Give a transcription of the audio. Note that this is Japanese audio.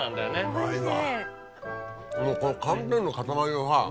うまいわ。